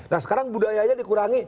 nah sekarang budayanya dikurangi